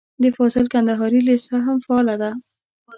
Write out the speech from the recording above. د فاضل کندهاري لېسه هم فعاله ده.